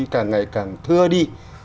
càng ngày càng thưa đi